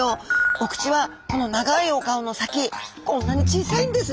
お口は長いお顔の先こんなに小さいんです。